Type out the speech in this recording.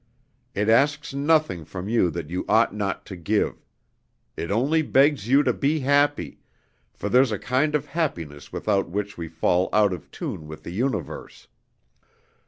It asks nothing from you that you ought not to give. It only begs you to be happy, for there's a kind of happiness without which we fall out of tune with the universe.